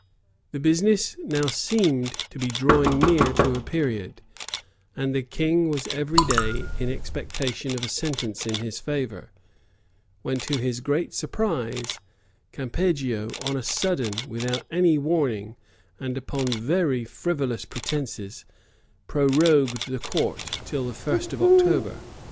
The business now seemed to be drawing near to a period; and the king was every day in expectation of a sentence in his favor; when, to his great surprise, Campeggio, on a sudden, without any warning, and upon very frivolous pretences,[*] prorogued the court till the first of October.